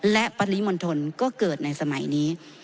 และปริมณฑลก็เกิดในสมัยนี้